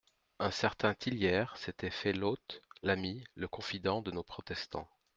Un certain Tillières s'était fait l'hôte, l'ami, le confident de nos protestants.